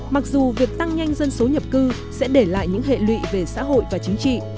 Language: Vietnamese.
mặc dù việc tăng nhanh dân số nhập cư sẽ để lại những hệ lụy về xã hội và chính trị